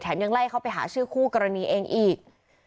ยังไล่เข้าไปหาชื่อคู่กรณีเองอีก